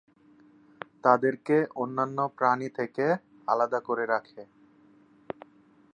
তাদেরকে অন্যান্য প্রাণী থেকে আলাদা করে রাখে।